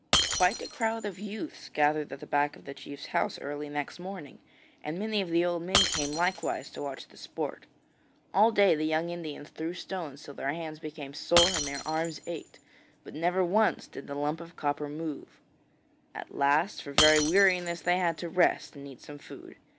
Quite a crowd of youths gathered at the back of the chief's house early next morning, and many of the old men came likewise to watch the sport. All day the young Indians threw stones till their hands became sore and their arms ached, but never once did the lump of copper move. At last for very weariness they had to rest, and eat some food.